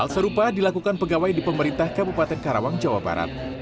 hal serupa dilakukan pegawai di pemerintah kabupaten karawang jawa barat